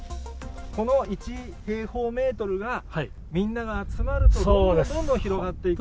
この１平方メートルが、みんなが集まると、どんどんどんどん広がっていく。